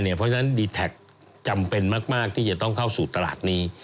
เพราะฉะนั้นดีแท็กจำเป็นมากที่จะต้องเข้าสู่ตลาดนี้